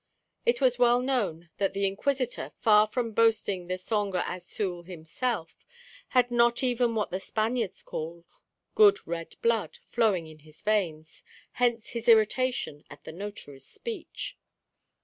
It was well known that the Inquisitor, far from boasting the sangre azul himself, had not even what the Spaniards call "good red blood" flowing in his veins; hence his irritation at the notary's speech.